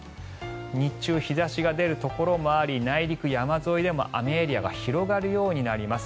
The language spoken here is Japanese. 日中、日差しが出るところもあり内陸山沿いでも雨エリアが広がるようになります。